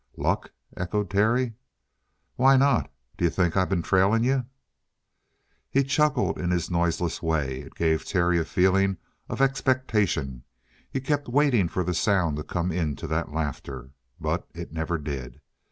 "Luck?" echoed Terry. "Why not? D'you think I been trailing you?" He chuckled in his noiseless way. It gave Terry a feeling of expectation. He kept waiting for the sound to come into that laughter, but it never did.